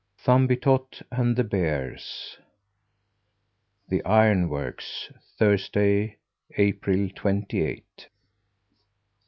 THUMBIETOT AND THE BEARS THE IRONWORKS Thursday, April twenty eighth.